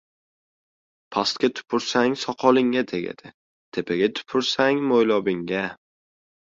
• Pastga tupursang soqolingga tegadi, tepaga tupursang ― mo‘ylovingga.